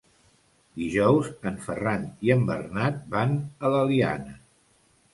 Dijous en Ferran i en Bernat van a l'Eliana.